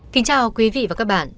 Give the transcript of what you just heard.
kính chào quý vị và các bạn